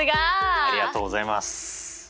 ありがとうございます。